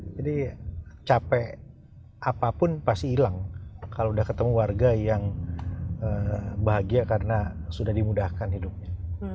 jadi capek apapun pasti hilang kalau sudah ketemu warga yang bahagia karena sudah dimudahkan hidupnya